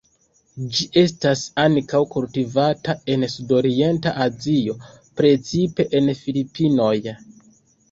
Ĝi estas ankaŭ kultivata en Sudorienta Azio, precipe en Filipinoj.